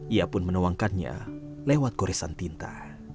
ia pun menuangkannya lewat goresan tinta